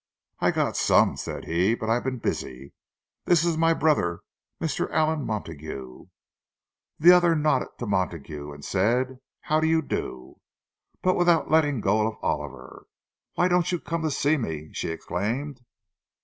"I got some," said he. "But I've been busy. This is my brother, Mr. Allan Montague." The other nodded to Montague, and said, "How do you do?"—but without letting go of Oliver. "Why don't you come to see me?" she exclaimed.